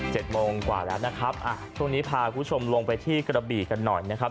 โมงกว่าแล้วนะครับอ่ะช่วงนี้พาคุณผู้ชมลงไปที่กระบีกันหน่อยนะครับ